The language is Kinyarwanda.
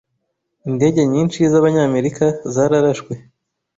Indege nyinshi z'Abanyamerika zararashwe. )